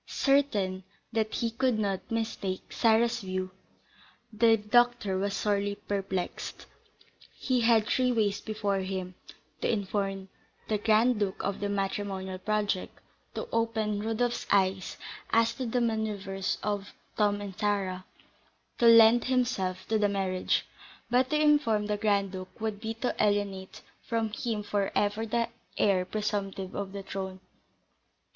Certain that he could not mistake Sarah's views, the doctor was sorely perplexed. He had three ways before him, to inform the Grand Duke of the matrimonial project, to open Rodolph's eyes as to the manoeuvres of Tom and Sarah, to lend himself to the marriage. But to inform the Grand Duke would be to alienate from him for ever the heir presumptive to the throne.